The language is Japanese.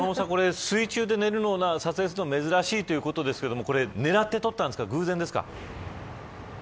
水中で寝るのは撮影するのは珍しいということですがこれって狙って撮ったんですか偶然ですか。